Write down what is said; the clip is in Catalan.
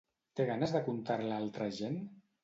Té ganes de contar-la a altra gent?